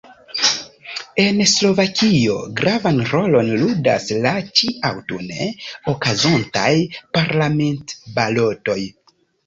En Slovakio gravan rolon ludas la ĉi-aŭtune okazontaj parlamentbalotoj.